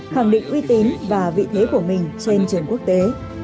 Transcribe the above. khẳng định uy tín và vị thế của mình trên trường quốc tế